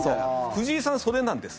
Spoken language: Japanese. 藤井さん、それなんです。